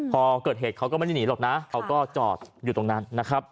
พอเกิดเหตุเขาก็ไม่ได้หนีหรอกนะเขาก็จอดอยู่ตรงนั้นนะครับ